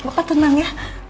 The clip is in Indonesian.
bapak tenang ya